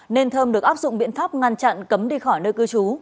nên thơm được áp dụng biện pháp ngăn chặn cấm đi khỏi nơi cư trú